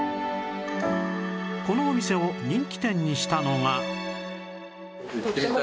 このお店を人気店にしたのが